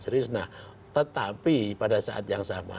serius nah tetapi pada saat yang sama